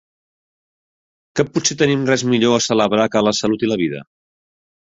¿Que potser tenim res millor a celebrar que la salut i la vida?